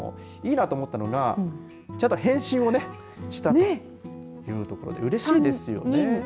いいなと思ったのがちゃんと返信をしたというところでうれしいですよね。